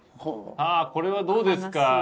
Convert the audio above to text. ああこれはどうですか？